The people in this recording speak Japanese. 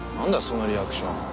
そのリアクション。